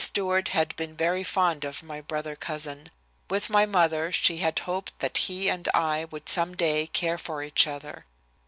Stewart had been very fond of my brother cousin. With my mother, she had hoped that he and I would some day care for each other.